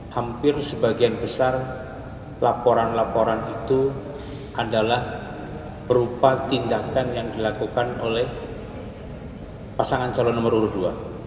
hampir sebagian besar laporan laporan itu adalah berupa tindakan yang dilakukan oleh pasangan calon nomor urut dua